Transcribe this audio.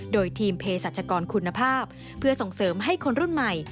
โดยทีมเพศรัชกรคุณภาพเพื่อส่งเสริมให้คนรุ่นใหม่